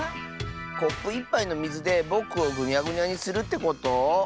コップ１ぱいのみずでぼくをぐにゃぐにゃにするってこと？